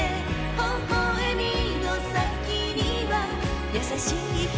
微笑みの先にはやさしい瞳